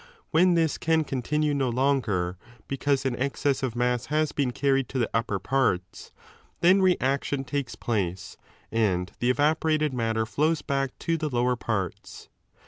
When this can continue no longer, because an excessive mass has been carried to the upper parts, then reaction takes pltice and the evaporated matter flows back to the lower parts.